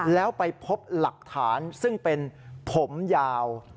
แล้วไปพบหลักฐานซึ่งเป็นผมยาว